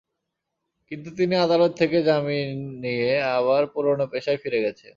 কিন্তু তিনি আদালত থেকে জামিন নিয়ে আবার পুরোনো পেশায় ফিরে গেছেন।